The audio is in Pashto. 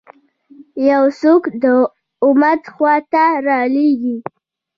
یو څوک د امت خوا ته رالېږي.